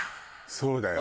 そうだよ。